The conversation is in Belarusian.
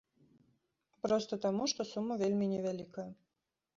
Проста таму, што сума вельмі невялікая.